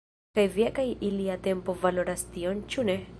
Kaj via kaj ilia tempo valoras tion, ĉu ne?